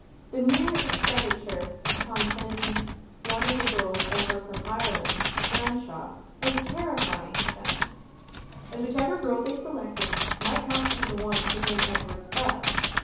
The mere expenditure upon sending one of the girls over from Ireland to Branshaw was terrifying to them; and whichever girl they selected might not be the one to ring Edward's bell.